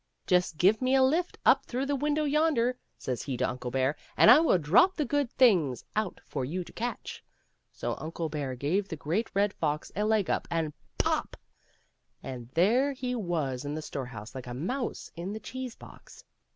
Just give me a lift up through the window yonder," says he to Uncle Bear, " and I will drop the good things out for you to catch." So Uncle Bear gave the Great Red Fox a leg up, and — pop! — and there he was in the storehouse like a mouse in the cheese box.